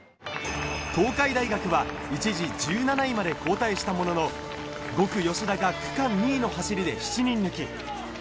東海大学は一時１７位まで後退したものの、５区・吉田が区間２位の走りで７人抜き。